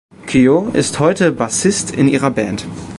Keough ist heute Bassist in ihrer Band.